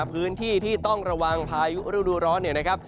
พื้นที่ที่ต้องระวังพายุฤดูร้อนเนี่ยนะครับ